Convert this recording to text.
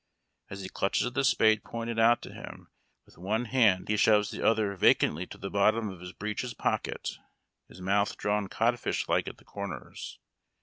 As he clutches the spade pointed out to him with one hand he shoves the other vacantly to the bottom of liis breeches pocket, his mouth drawn down codfish like at the corners.